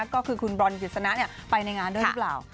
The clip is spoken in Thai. ก็คือคุณบอลกฤษณะไปในงานด้วยหรือเปล่า